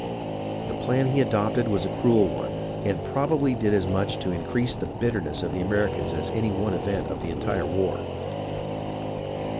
The plan he adopted was a cruel one and probably did as much to increase the bitterness of the Americans as any one event of the entire war.